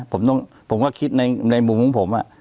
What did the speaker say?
ผมก็คิดในมุมของผม